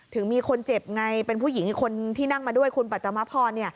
ถึงมีคนเจ็บไงเป็นผู้หญิงอีกคนที่นั่งมาด้วยคุณปัตมาพร